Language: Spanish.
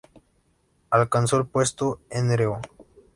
Alcanzó el puesto Nro.